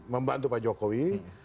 membantu pak jokowi